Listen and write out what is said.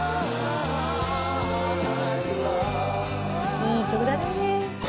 いい曲だね。